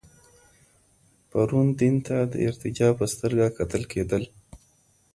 پرون دين ته د ارتجاع په سترګه کتل کېدل.